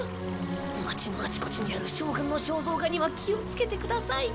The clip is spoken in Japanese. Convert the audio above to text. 街のあちこちにある将軍の肖像画には気をつけてください。